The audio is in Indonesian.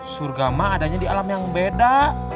surga mak adanya di alam yang beda